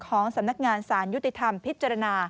ของสำนักงานสารยุติธรรมพิจารณา